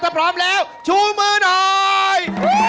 ถ้าพร้อมแล้วชูมือหน่อย